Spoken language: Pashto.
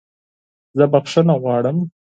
زه بخښنه غواړم!